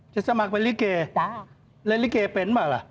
จะสมัครเป็นริเกย์แล้วริเกย์เป็นเหรอล่ะ